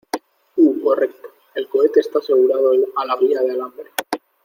Uh, correcto. El cohete esta asegurado a la guia de alambre .